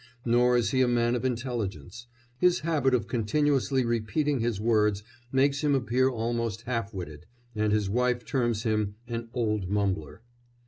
Nor is he a man of intelligence; his habit of continuously repeating his words makes him appear almost half witted, and his wife terms him "an old mumbler."